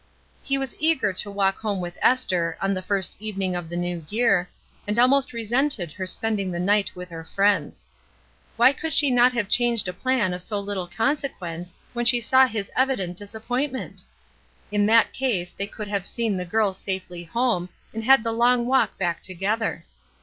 He was eager to walk home with Esther, on the first evening of the new year, and almost resented her spending the night with her friends. Why could she not have changed a 306 ESTER RIED'S NAMESAKE plan of so little consequence when she saw his evident disappointment ? In that case they could have seen the girls safely home and had the long walk back together.